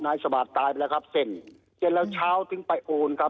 นายสวัสดิ์ตายไปแล้วครับเสร็จแล้วเช้าถึงไปโอนครับ